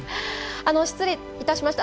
失礼いたしました。